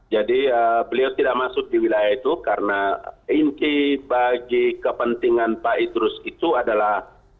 jadi beliau tidak masuk di wilayah itu karena inti bagi kepentingan pak idrus itu adalah